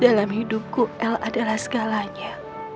dalam hidupku l adalah segalanya